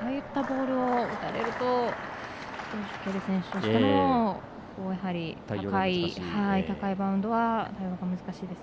ああいったボールを打たれるとシュケル選手としても高いバウンドは難しいですね。